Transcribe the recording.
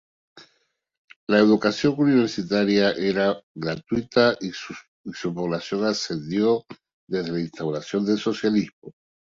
La educación universitaria era gratuita y su población ascendió desde la instauración del socialismo.